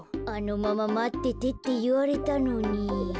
あのまままっててっていわれたのに。